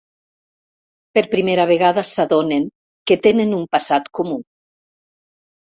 Per primera vegada s'adonen que tenen un passat comú.